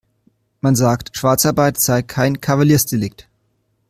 Man sagt, Schwarzarbeit sei kein Kavaliersdelikt.